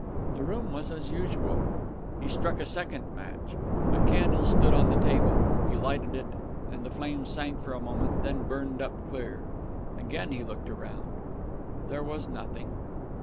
The room was as usual. He struck a second match. A candle stood on the table. He lighted it, and the flame sank for a moment and then burned up clear. Again he looked round. There was nothing.